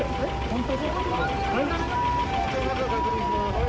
本当に？